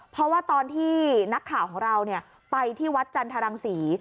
เพราะว่าตอนที่นักข่าวของเราไปที่วัดจันทรังศรี